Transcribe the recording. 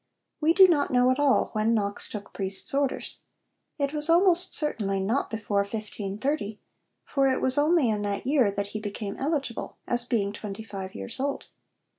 We do not know at all when Knox took priest's orders. It was almost certainly not before 1530, for it was only in that year that he became eligible as being twenty five years old.